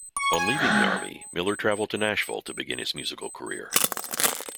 On leaving the Army, Miller traveled to Nashville to begin his musical career.